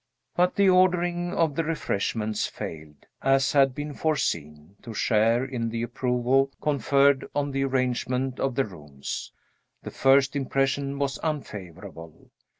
But the ordering of the refreshments failed, as had been foreseen, to share in the approval conferred on the arrangement of the rooms. The first impression was unfavorable.